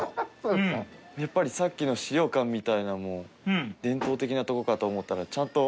やっぱりさっきの資料館みたいな伝統的なとこかと思ったらちゃんと。